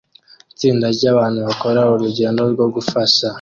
Itsinda ryabantu bakora urugendo rwo gufasha